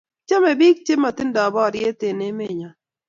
Tkichame pik che matindo bariyet en emet nyon